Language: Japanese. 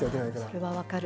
それは分かる。